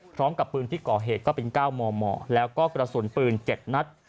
พร้อมกับปืนที่ก่อเหตุก็เป็น๙มมแล้วก็กระสุนปืน๗นัด